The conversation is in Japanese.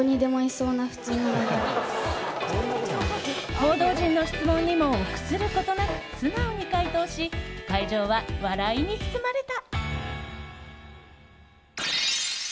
報道陣の質問にも臆することなく素直に回答し会場は笑いに包まれた。